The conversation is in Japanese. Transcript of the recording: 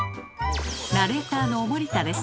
ナレーターの森田です。